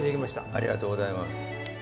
ありがとうございます。